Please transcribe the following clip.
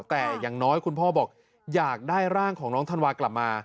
แต่อย่างน้อยคุณพ่อบอกอยากได้ร่างของน้องธันวากลับมา